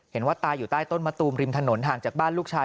ว่าตายอยู่ใต้ต้นมะตูมริมถนนห่างจากบ้านลูกชาย